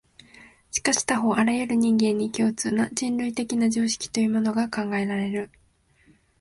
しかし他方、あらゆる人間に共通な、人類的な常識というものが考えられる。